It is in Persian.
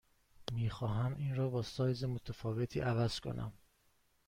می خواهم این را با سایز متفاوتی عوض کنم.